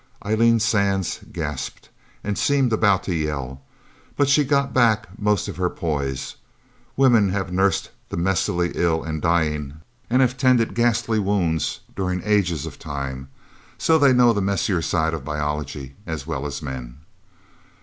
Eileen Sands gasped, and seemed about to yell. But she got back most of her poise. Women have nursed the messily ill and dying, and have tended ghastly wounds during ages of time. So they know the messier side of biology as well as men.